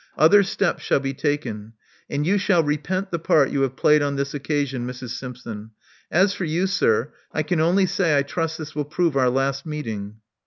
Other steps shall be taken. And you shall repent the part you have played on this occasion, Mrs. Simpson. As for you, sir, I can only say I trust this will prove our last meeting.'